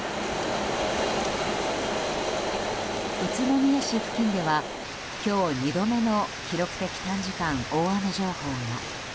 宇都宮市付近では今日２度目の記録的短時間大雨情報が。